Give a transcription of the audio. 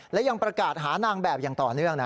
และยังประกาศหานางแบบอย่างต่อเนื่องนะ